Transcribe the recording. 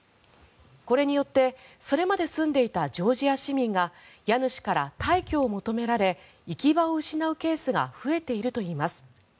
これによってそれまで住んでいたジョージア市民が家主から退去を求められ行き場を失うケースが増えているといいます。